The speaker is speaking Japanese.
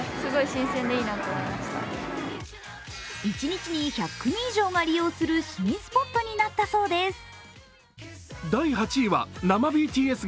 一日に１００人以上が利用する新スポットになったそうです。